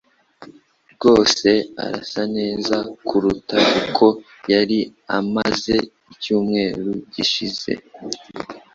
rwose arasa neza kuruta uko yari amaze icyumweru gishize.